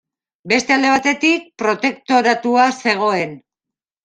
Beste alde batetik protektoratua zegoen.